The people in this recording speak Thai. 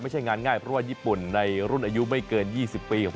ไม่ใช่งานง่ายเพราะว่าญี่ปุ่นในรุ่นอายุไม่เกิน๒๐ปี